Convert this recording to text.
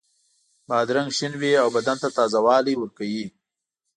بادرنګ شین وي او بدن ته تازه والی ورکوي.